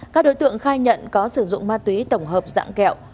các đối tượng khai nhận có sử dụng ma túy tổng hợp dạng kẹo